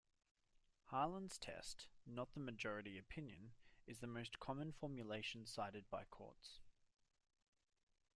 Harlan's test, not the majority opinion, is the most common formulation cited by courts.